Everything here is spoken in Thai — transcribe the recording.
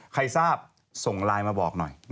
ใครทราบส่งไลน์มาบอกหน่อย